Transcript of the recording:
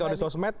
kalau di sosmed